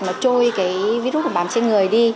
nó trôi cái virus của bám trên người đi